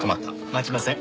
待ちません。